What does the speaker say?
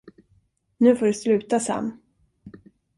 Nu får du sluta, Sam!